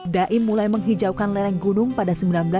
daim mulai menghijaukan lereng gunung pada seribu sembilan ratus delapan puluh